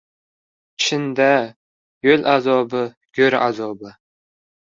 Chin-da, yo‘l azobi — go‘r azobi.